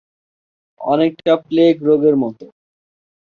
অনেকটা প্লেগ রোগের মত